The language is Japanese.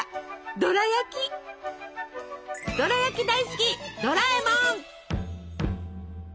ドラやき大好きドラえもん！